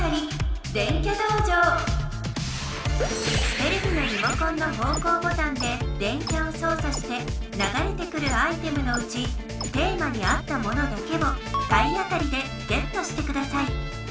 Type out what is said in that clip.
テレビのリモコンのほうこうボタンで電キャをそうさしてながれてくるアイテムのうちテーマに合ったものだけを体当たりでゲットしてください。